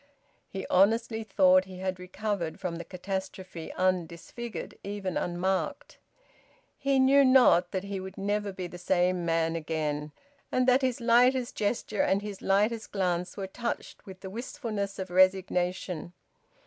He honestly thought he had recovered from the catastrophe undisfigured, even unmarked. He knew not that he would never be the same man again, and that his lightest gesture and his lightest glance were touched with the wistfulness of resignation.